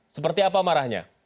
seperti apa marahnya